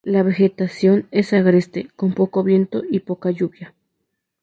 La vegetación es agreste, con poco viento y poca lluvia.